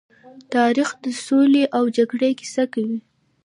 تاریخ د سولې او جګړې کيسه کوي.